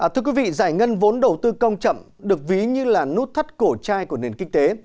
thưa quý vị giải ngân vốn đầu tư công chậm được ví như là nút thắt cổ trai của nền kinh tế